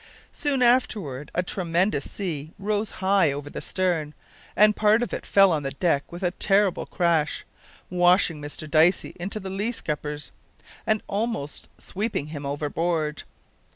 Soon afterward a tremendous sea rose high over the stern, and part of it fell on the deck with a terrible crash, washing Mr Dicey into the lee scuppers, and almost sweeping him overboard.